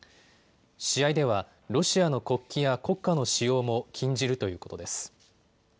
試合ではロシアの国旗や国歌の使用も禁じるということです。